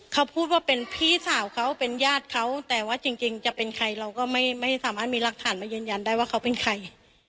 เขาพูดว่าเป็นพี่สาวเขาเป็นญาติเขาแต่ว่าจริงจะเป็นใครเราก็ไม่สามารถมีรักฐานมายืนยันได้ว่าเขาเป็นใคร